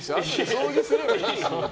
掃除すればいいから。